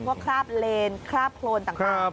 เพื่อคราบเลนคราบโครนต่าง